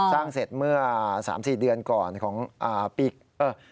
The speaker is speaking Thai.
สร้างเสร็จเมื่อ๓๔เดือนก่อนของปีกเออ